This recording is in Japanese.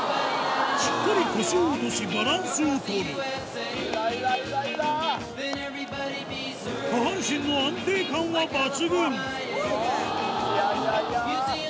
しっかり腰を落としバランスを取る下半身の安定感は抜群スゴいね。